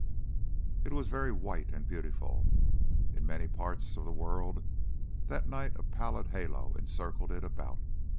It was very white and beautiful. In many parts of the world that night a pallid halo encircled it about.